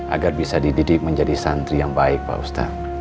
agar bisa dididik menjadi santri yang baik pak ustadz